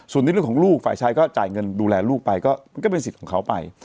ส่วนในเรื่องของลูกฝ่ายชายก็จ่ายเงินดูแลลูกไปก็มันก็เป็นสิทธิ์ของเขาไป